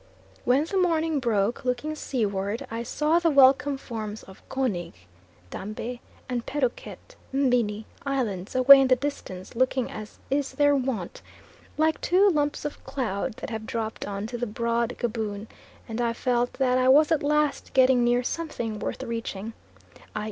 When the morning broke, looking seaward I saw the welcome forms of Konig (Dambe) and Perroquet (Mbini) Islands away in the distance, looking, as is their wont, like two lumps of cloud that have dropped on to the broad Gaboon, and I felt that I was at last getting near something worth reaching, i.